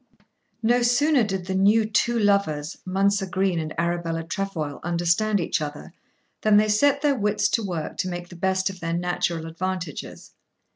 No sooner did the new two lovers, Mounser Green and Arabella Trefoil, understand each other, than they set their wits to work to make the best of their natural advantages.